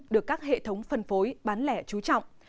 được các hệ thống phân phối bán lẻ trú trọng